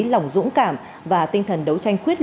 lòng dũng cảm và tinh thần đấu tranh